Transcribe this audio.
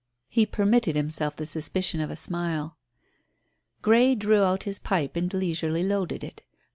He permitted himself the suspicion of a smile. Grey drew out his pipe and leisurely loaded it.